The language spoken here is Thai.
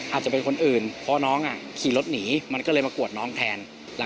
อาจจะเป็นคนอื่นเพราะน้องขี่รถหนีมันก็เลยมากวดน้องแทน